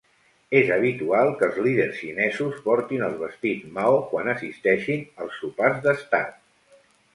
És habitual que els líders xinesos portin els vestits Mao quan assisteixin als sopars d'estat.